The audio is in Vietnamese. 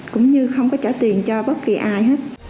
cũng như không có trả tiền cho bất kỳ ai hết